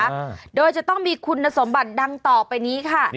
อ่าโดยจะต้องมีคุณสมบัติดังต่อไปนี้ค่ะ